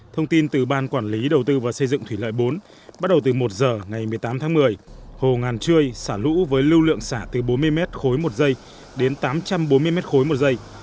thông tin từ ban quản lý đầu tư và xây dựng thủy lợi bốn bắt đầu từ một giờ ngày một mươi tám tháng một mươi hồ ngàn trươi xả lũ với lưu lượng xả từ bốn mươi mét khối một giây đến tám trăm bốn mươi mét khối một giây